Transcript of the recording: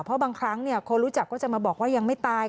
เพราะบางครั้งคนรู้จักก็จะมาบอกว่ายังไม่ตาย